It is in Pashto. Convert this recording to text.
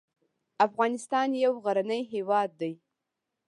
افغانستان يو غرنی هېواد دی